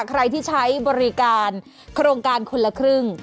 ใครที่ใช้บริการโครงการคนละครึ่ง